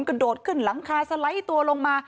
กระโดดขึ้นหลังคาสไลด์ตัวลงมา